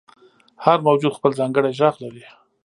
• هر موجود خپل ځانګړی ږغ لري.